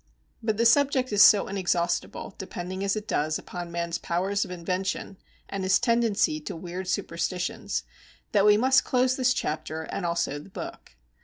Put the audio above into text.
But the subject is so inexhaustible, depending as it does upon man's powers of invention and his tendency to weird superstitions, that we must close this chapter and also the book.